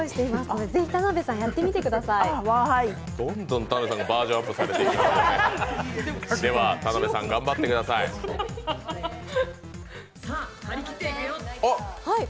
どんどん田辺さんがバージョンアップされていくよね。